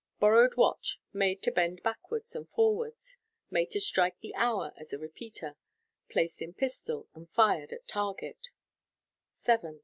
6. Borrowed watch, made to bend backwards and forwards (page 214). Made to strike the hour as a repeater {page 222). Placed in pistol, and fired at target (page 220).